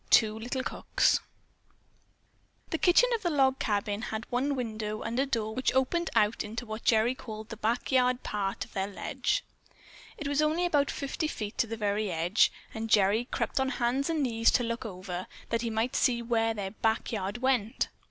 TWO LITTLE COOKS The kitchen of the log cabin had one window and a door which opened out into what Gerry called the "back yard part of their ledge." It was only about fifty feet to the very edge, and Gerry crept on hands and knees to look over, that he might see where their "back yard went."